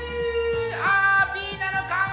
あー、Ｂなのかー？